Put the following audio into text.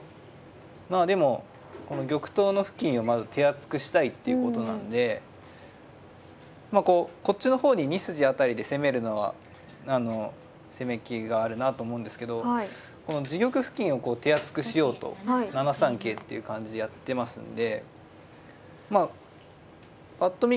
まあでもこの玉頭の付近をまず手厚くしたいっていうことなんでこうこっちの方に２筋辺りで攻めるのは攻めっ気があるなと思うんですけどこの自玉付近を手厚くしようと７三桂っていう感じでやってますんでまあぱっと見